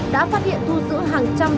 đã phát hiện thu giữ hàng trăm